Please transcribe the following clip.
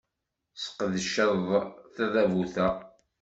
Tesqedceḍ tadabut-a.